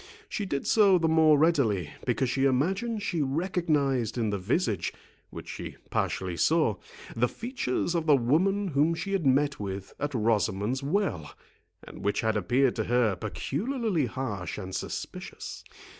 She did so the more readily, because she imagined she recognised in the visage, which she partially saw, the features of the woman whom she had met with at Rosamond's Well, and which had appeared to her peculiarly harsh and suspicious.